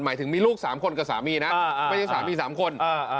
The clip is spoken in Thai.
หมายถึงมีลูก๓คนกับสามีนะไม่ใช่สามี๓คน